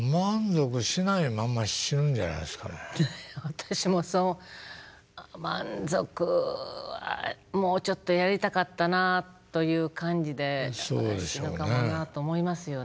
私も満足はもうちょっとやりたかったなという感じで死ぬかもなと思いますよね。